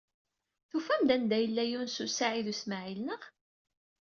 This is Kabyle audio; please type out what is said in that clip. Tufam-d anda yella Yunes u Saɛid u Smaɛil, naɣ?